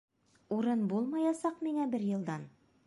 Урын булмаясаҡ миңә бер йылдан!